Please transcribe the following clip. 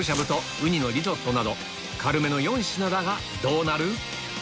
軽めの４品だがどうなる？